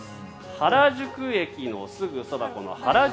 原宿駅のすぐそば原宿